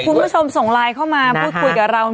คุณผู้ชมส่งไลน์เข้ามาพูดคุยกับเรา